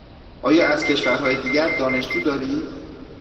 آیا از کشورهای دیگر دانشجو دارید؟